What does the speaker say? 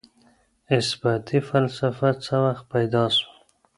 اثباتي فلسفه څه وخت پيدا سوه؟